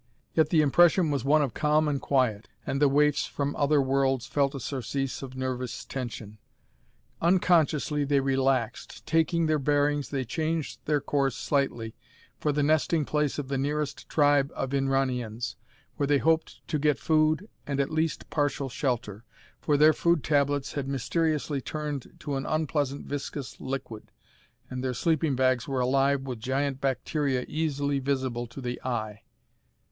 Yet the impression was one of calm and quiet, and the waifs from other worlds felt a surcease of nervous tension. Unconsciously they relaxed. Taking their bearings, they changed their course slightly for the nesting place of the nearest tribe of Inranians where they hoped to get food and at least partial shelter; for their food tablets had mysteriously turned to an unpleasant viscous liquid, and their sleeping bags were alive with giant bacteria easily visible to the eye.